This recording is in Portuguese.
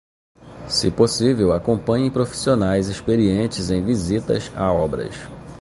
Se possível, acompanhe profissionais experientes em visitas a obras.